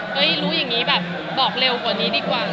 รู้อย่างนี้แบบบอกเร็วกว่านี้ดีกว่า